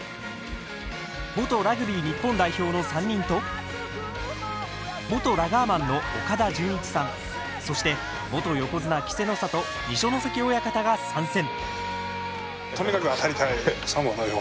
元ラグビー日本代表の３人と元ラガーマンの岡田准一さんそして元横綱・稀勢の里二所ノ関親方が参戦。